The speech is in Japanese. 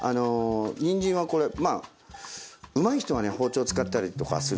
にんじんはこれまあうまい人はね包丁使ったりとかするんですけど